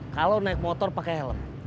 kalau naik motor pakai helm